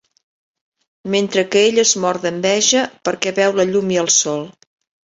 Mentre que ell es mor d'enveja, perquè veu la llum i el sol.